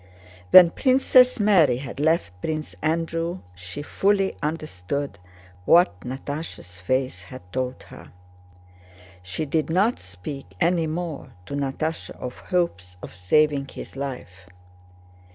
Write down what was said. When Princess Mary had left Prince Andrew she fully understood what Natásha's face had told her. She did not speak any more to Natásha of hopes of saving his life.